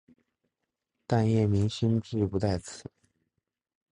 但叶明勋志不在此。